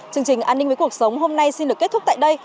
chương trình an ninh với cuộc sống hôm nay xin được kết thúc tại đây